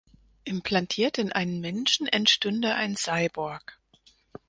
Implantiert in einen Menschen entstünde ein Cyborg.